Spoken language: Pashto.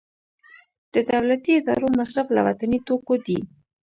د دولتي ادارو مصرف له وطني توکو دی